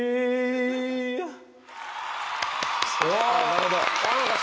なるほど。